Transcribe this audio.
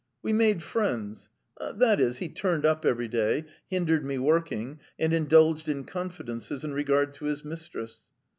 We made friends that is, he turned up every day, hindered me working, and indulged in confidences in regard to his mistress.